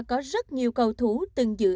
có rất nhiều cầu thú từng dự